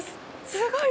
すごい！